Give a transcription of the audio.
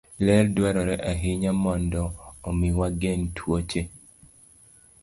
Ler dwarore ahinya mondo omi wageng' tuoche.